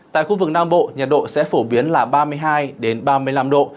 tại khu vực nam bộ nhiệt độ sẽ phổ biến là ba mươi hai ba mươi năm độ